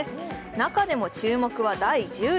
中でも注目は第１０位。